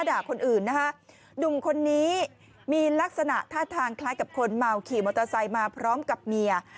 ดูมคนนี้มีลักษณะท่าทางคล้ายกับคนมาวขี่มอเตอร์ไซด์มาพร้อมกับเมีย